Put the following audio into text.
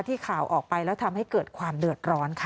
ข่าวออกไปแล้วทำให้เกิดความเดือดร้อนค่ะ